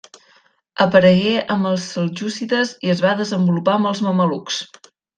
Aparegué amb els seljúcides i es va desenvolupar amb els mamelucs.